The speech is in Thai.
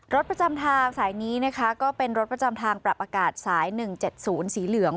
ประจำทางสายนี้นะคะก็เป็นรถประจำทางปรับอากาศสาย๑๗๐สีเหลือง